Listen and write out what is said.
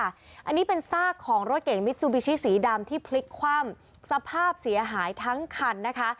อันนี้เป็นซากของรถเก่งมิซูบิชิสีดำที่พลิกคว่ำสภาพเสียหายทั้งคันนะคะ